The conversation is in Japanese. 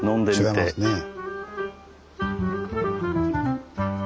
違いますね。